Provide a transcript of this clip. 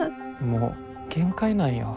もう限界なんよ。